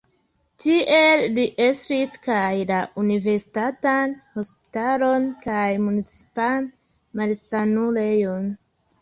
Tiel li estris kaj la universitatan hospitalon kaj municipan malsanulejon.